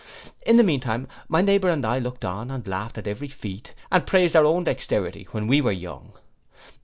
In the mean time, my neighbour and I looked on, laughed at every feat, and praised our own dexterity when we were young.